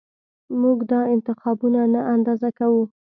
موږ دا انتخابونه نه اندازه کوو